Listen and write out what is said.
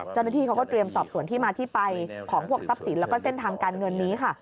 เจ้าหน้าที่เขาก็เตรียมสอบสวนที่มาที่ไปของพวกทรัพย์สินแล้วก็เส้นทางการเงินนี้ค่ะ